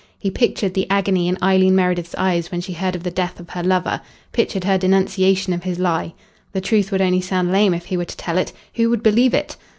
He pictured the agony in Eileen Meredith's eyes when she heard of the death of her lover, pictured her denunciation of his lie. The truth would only sound lame if he were to tell it. Who would believe it?